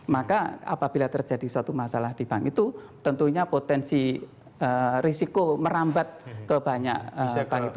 maka apabila terjadi suatu masalah di bank itu tentunya potensi risiko merambat ke banyak bank itu